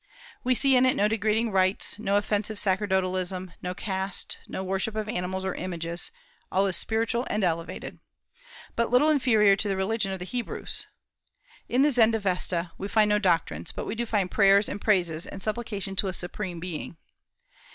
We see in it no degrading rites, no offensive sacerdotalism, no caste, no worship of animals or images; all is spiritual and elevated, but little inferior to the religion of the Hebrews. In the Zend Avesta we find no doctrines; but we do find prayers and praises and supplication to a Supreme Being.